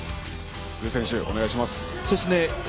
具選手、お願いします。